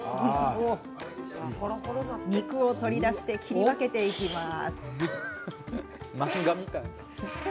肉を取り出し切り分けていきます。